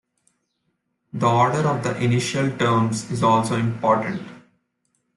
The order of the initial terms is also important.